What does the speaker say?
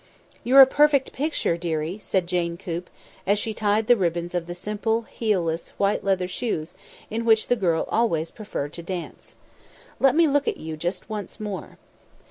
"You're a perfect picture, dearie!" said Jane Coop as she tied the ribbons of the simple, heelless, white leather shoes in which the girl always preferred to dance. "Let me look at you just once more."